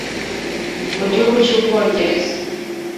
mu gihugu cy'ubwongereza